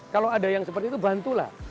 kalau ada yang seperti itu bantulah